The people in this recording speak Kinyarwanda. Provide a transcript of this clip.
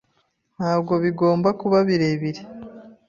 Ntabwo bigomba kuba birebire